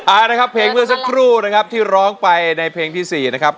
นะครับเพลงเมื่อสักครู่นะครับที่ร้องไปในเพลงที่๔นะครับ